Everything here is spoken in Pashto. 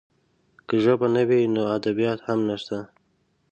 که ژبه نه وي، نو ادبیات هم نشته.